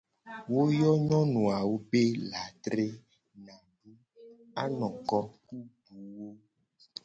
Wo yona nyonu awo be : latre, nadu, anoko, ku buwo.